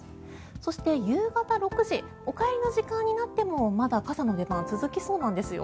そして、夕方６時お帰りの時間になってもまだ傘の出番は続きそうなんですよ。